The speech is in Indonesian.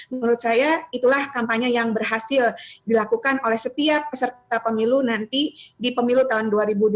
menurut saya itulah kampanye yang berhasil dilakukan oleh setiap peserta pemilu nanti di pemilu tahun dua ribu dua puluh